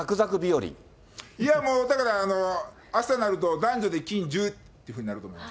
いやもうだから、あしたになると男女で金１０っていうふうになると思います。